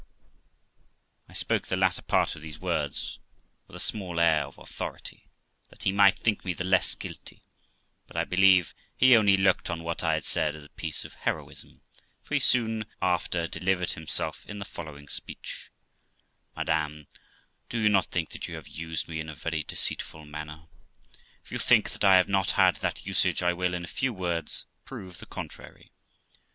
I spoke the latter part of these words with a small air of authority, that he might think me the less guilty; but, I believe, he only looked on what I had said as a piece of heroism; for he soon after delivered himself in the following speech: 'Madam, do you not think that you have used me in a very deceitful manner? If you think that I have not had that usage, I will, in a few words, prove the contrary.